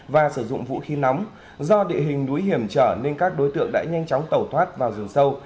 và sử dụng vũ khí nóng do địa hình núi hiểm trở nên các đối tượng đã nhanh chóng tẩu thoát vào rừng sâu